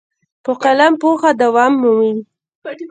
په قلم پوهه دوام مومي.